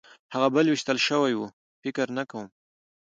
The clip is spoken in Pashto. هغه بل وېشتل شوی و؟ فکر نه کوم.